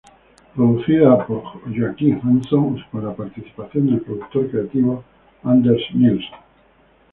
Producida por Joakim Hansson, con la participación del productor creativo Anders Nilsson.